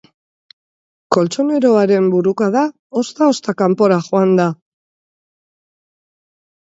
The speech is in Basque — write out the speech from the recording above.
Koltxoneroaren burukada ozta-ozta kanpora joan da.